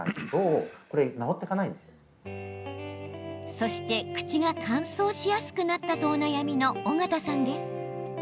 そして口が乾燥しやすくなったとお悩みの緒方さんです。